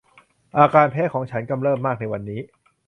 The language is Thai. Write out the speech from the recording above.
อาการแพ้ของฉันกำเริบมากในวันนี้